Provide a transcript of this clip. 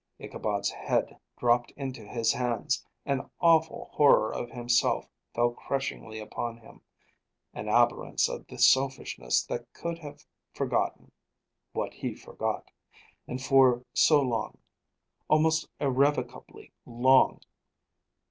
Ichabod's head dropped into his hands. An awful horror of himself fell crushingly upon him; an abhorrence of the selfishness that could have forgotten what he forgot; and for so long, almost irrevocably long.